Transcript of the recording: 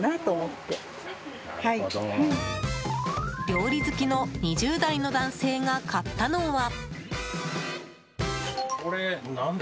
料理好きの２０代の男性が買ったのは。